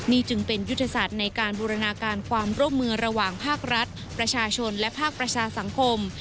นี่จึงเป็นยุทธศาสตร์ในการบูรณาการความร่วมมือระหว่างภาครัฐประชาชนและภาคประชาสังคม